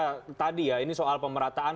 dari diskusi kita tadi ya ini soal pemerataan